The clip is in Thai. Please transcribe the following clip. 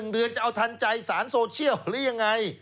๑เดือนจะเอาทันใจสารโซเชียลหรือยังไง